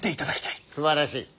すばらしい！